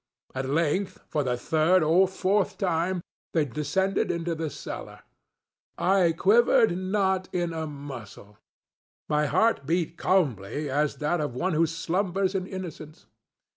At length, for the third or fourth time, they descended into the cellar. I quivered not in a muscle. My heart beat calmly as that of one who slumbers in innocence.